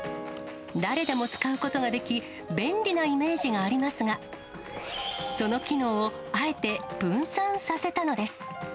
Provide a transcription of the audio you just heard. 誰でも使うことができ、便利なイメージがありますが、その機能をあえて分散させたのです。